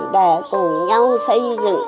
để cùng nhau xây dựng